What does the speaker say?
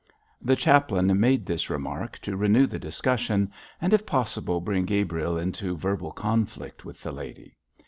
The chaplain made this remark to renew the discussion, and if possible bring Gabriel into verbal conflict with the lady.